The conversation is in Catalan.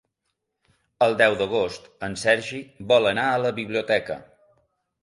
El deu d'agost en Sergi vol anar a la biblioteca.